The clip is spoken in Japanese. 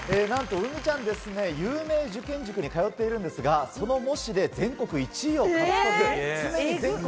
なんと、うみちゃん、有名受験塾に通っているんですが、その模試で全国１位を獲得。